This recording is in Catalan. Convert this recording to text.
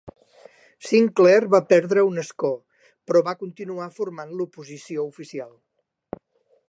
Sinclair va perdre un escó, però va continuar formant l'oposició oficial.